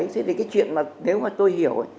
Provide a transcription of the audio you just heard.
thế thì cái chuyện mà nếu mà tôi hiểu